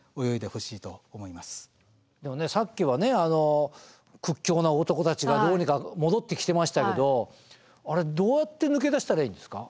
あの屈強な男たちがどうにか戻ってきてましたけどあれどうやって抜け出したらいいんですか？